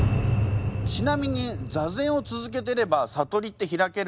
ちなみに座禅を続けてれば悟りって開けるんですか？